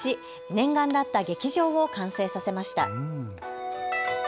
念願だった劇場を完成させました。